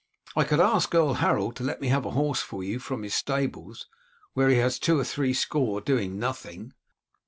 I could ask Earl Harold to let me have a horse for you from his stables, where he has two or three score doing nothing."